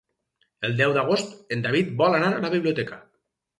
El deu d'agost en David vol anar a la biblioteca.